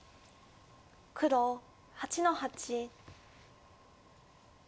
黒８の八。